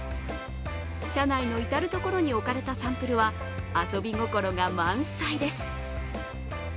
車内の至る所に置かれたサンプルは遊び心が満載です。